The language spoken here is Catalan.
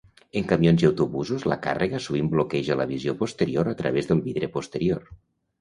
En camions i autobusos, la càrrega sovint bloqueja la visió posterior a través del vidre posterior.